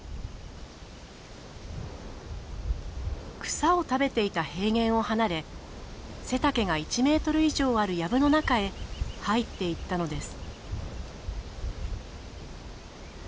草を食べていた平原を離れ背丈が１ｍ以上ある藪の中へ入っていったのです。